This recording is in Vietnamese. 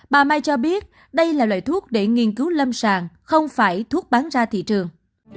bà may cho biết đây là loại thuốc để nghiên cứu lâm sàng không phải thuốc bán ra thị trường